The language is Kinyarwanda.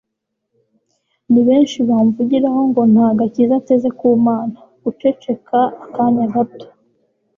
ni benshi bamvugiraho ngo nta gakiza ateze ku mana! (guceceka akanya gato